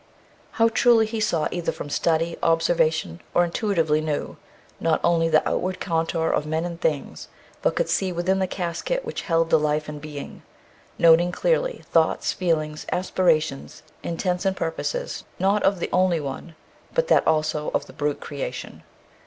How truly he saw either from study, observation, or intuitively knew, not only the outward contour of "men and things," but could see within the casket which held the life and being, noting clearly thoughts, feelings, aspirations, intents, and purposes, not of the one only, but that also of the brute creation.